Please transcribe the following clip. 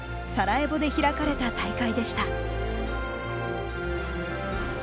サラエボで開かれた大会でした。